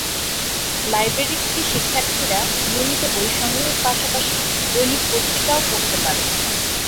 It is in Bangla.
লাইব্রেরী থেকে শিক্ষার্থীরা নিয়মিত বই সংগ্রহের পাশাপাশি দৈনিক পত্রিকাও পড়তে পারে।